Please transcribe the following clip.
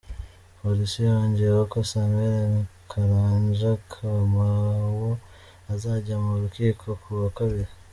Polisi yongeyeho ko Samuel Karanja Kamau azajya mu rukiko ku wa Kabiri.